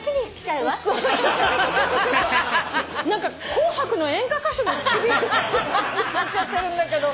『紅白』の演歌歌手の付き人みたいになっちゃってるんだけど。